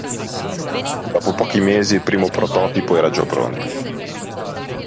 Dopo pochi mesi, il primo prototipo era già pronto.